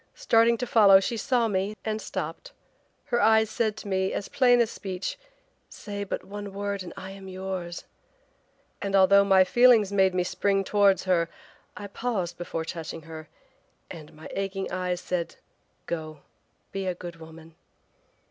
Starting to follow she saw me, and stopped. Her eyes said to me as plain as speech, 'Say but the word and I am yours,' and although my feelings made me spring towards her, I paused before touching her and my aching eyes said: 'Go! be a good woman.'